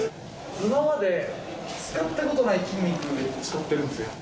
今まで使ったことない筋肉、使ってるんですよ。